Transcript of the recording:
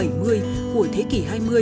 hồi thế kỷ hai mươi